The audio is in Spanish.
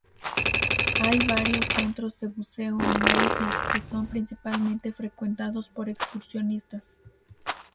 Hay varios centros de buceo en la isla, que son principalmente frecuentados por excursionistas.